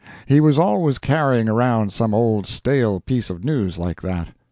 He was always carrying around some old stale piece of news like that.